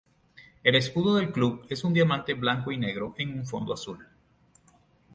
El escudo del club es un diamante blanco y negro en un fondo azul.